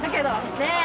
ねえ！